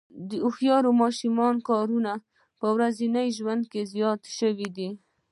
د هوښیار ماشینونو کارونه په ورځني ژوند کې زیات شوي دي.